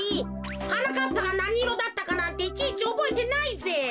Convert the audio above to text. はなかっぱがなにいろだったかなんていちいちおぼえてないぜ。